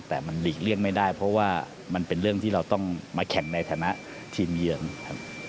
แต่มันหลีกเลี่ยงไม่ได้เพราะว่ามันเป็นเรื่องที่เราต้องมาแข่งในฐานะทีมเยือนครับ